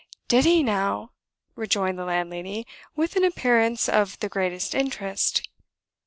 "Did he, now?" rejoined the landlady, with an appearance of the greatest interest.